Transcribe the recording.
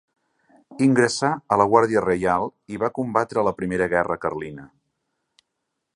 Ingressà a la Guàrdia Reial i va combatre a la primera guerra carlina.